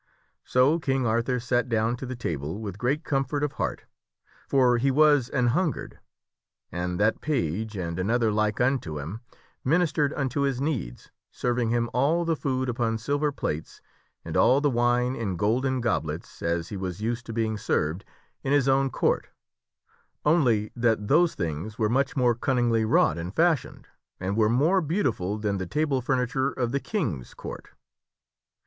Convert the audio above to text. So King Arthur sat down to the table with great comfort of heart (for he was an hungered) and that page and another like unto him min istered unto his needs, serving him all the food upon sil ,,, j i King Arthur ver plates, and all the wine in golden goblets as he was i s refreshed in used to being served in his own court only that those things were much more cunningly wrought and fashioned, and were more beautiful than the table furniture of the King's court.